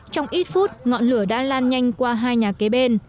trong ít phút ngọn lửa đã lan nhanh qua hai nhà kế bên